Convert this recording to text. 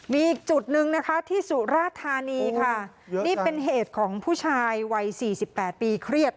มีอีกจุดนึงนะคะที่สุราธานีค่ะนี่เป็นเหตุของผู้ชายวัย๔๘ปีเครียด